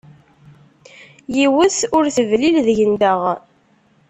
Yiwet ur teblil deg-nteɣ.